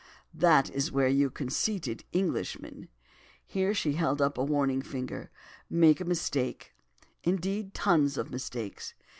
"That is where you conceited Englishmen"—here she held up a warning finger—"make a mistake, indeed tons of mistakes.